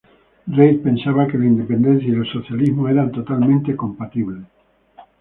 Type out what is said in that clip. Reid pensaba que la independencia y el socialismo eran totalmente compatibles.